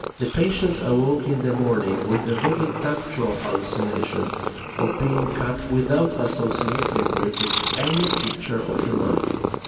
The patient awoke in the morning with a vivid tactual hallucination of being cut without associating with it any picture of a knife.